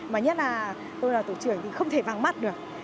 mà nhất là tôi là tổ trưởng thì không thể vàng mắt được